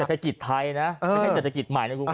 เศรษฐกิจไทยนะไม่ใช่เศรษฐกิจใหม่ในกรุง